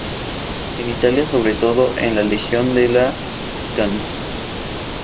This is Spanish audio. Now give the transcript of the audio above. En Italia sobre todo en la región de La Toscana.